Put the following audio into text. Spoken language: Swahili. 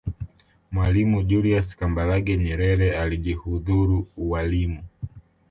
mwalimu julius kambarage nyerere alijihudhuru ualimu